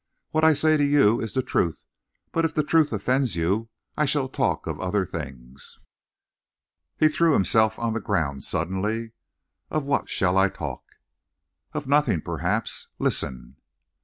"What I say to you is the truth, but if the truth offends you I shall talk of other things." He threw himself on the ground sullenly. "Of what shall I talk?" "Of nothing, perhaps. Listen!"